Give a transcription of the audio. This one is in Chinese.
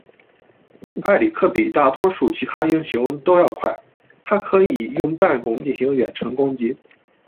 埃里克比大多数其他英雄都要快，他可以用弹弓进行远程攻击。